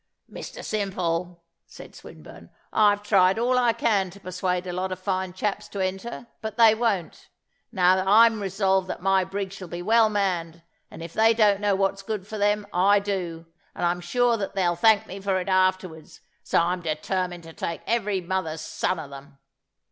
"Mr Simple," said Swinburne, "I've tried all I can to persuade a lot of fine chaps to enter, but they won't. Now I'm resolved that my brig shall be well manned; and if they don't know what's good for them, I do, and I'm sure that they'll thank me for it afterwards; so I'm determined to take every mother's son of them."